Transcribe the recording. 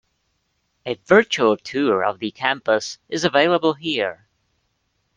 A virtual tour of the campus is available here.